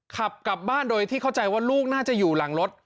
ขับกลับบ้านโดยที่เข้าใจว่าลูกน่าจะอยู่หลังรถ